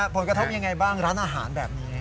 ผลกระทบยังไงบ้างร้านอาหารแบบนี้